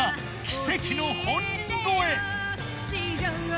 奇跡の本人超え！